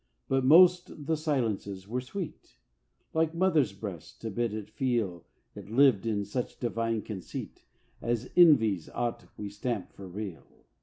But most the silences were sweet, Like mothers' breasts, to bid it feel It lived in such divine conceit As envies aught we stamp for real.